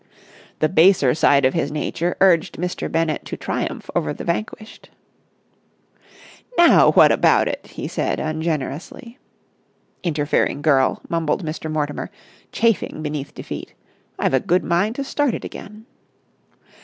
The baser side of his nature urged Mr. Bennett to triumph over the vanquished. "Now, what about it!" he said, ungenerously. "Interfering girl!" mumbled Mr. Mortimer, chafing beneath defeat. "I've a good mind to start it again."